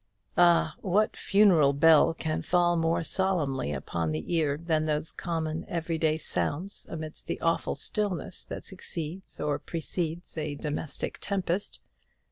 Ah, what funeral bell can fall more solemnly upon the ear than those common every day sounds amidst the awful stillness that succeeds or precedes a domestic tempest!